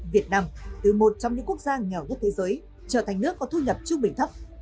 việt nam từ một trong những quốc gia nghèo nhất thế giới trở thành nước có thu nhập trung bình thấp